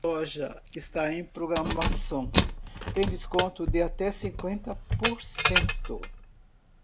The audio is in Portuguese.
A loja está em programação, tem desconto de até cinquenta por cento.